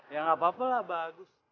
ya gapapa lah bagus